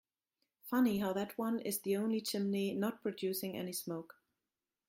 Funny how that one is the only chimney not producing any smoke.